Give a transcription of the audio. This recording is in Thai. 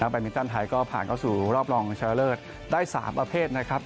มินตันไทยก็ผ่านเข้าสู่รอบรองชนะเลิศได้๓ประเภทนะครับ